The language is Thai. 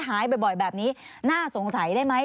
หายบ่อยแบบนี้น่าสงสัยได้ไหม